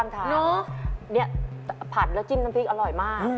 นี่ผัดแล้วจิ้มน้ำพริกอร่อยมาก